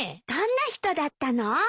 どんな人だったの？